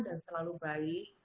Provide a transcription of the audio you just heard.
dan selalu baik